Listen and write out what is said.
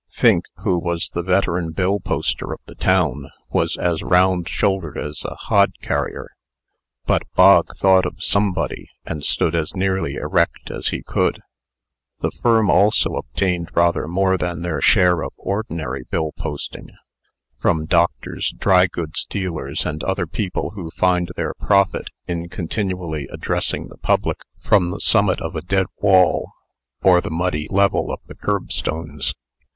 Fink, who was the veteran bill poster of the town, was as round shouldered as a hod carrier. But Bog thought of somebody, and stood as nearly erect as he could. The firm also obtained rather more than their share of ordinary bill posting, from doctors, drygoods dealers, and other people who find their profit in continually addressing the public from the summit of a dead wall, or the muddy level of the curbstones.